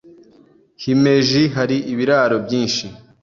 Himeji hari ibiraro byinshi.